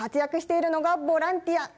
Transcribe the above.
活躍しているのがボランティア。